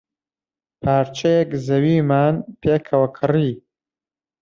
پارچەیەک زەویمان پێکەوە کڕی.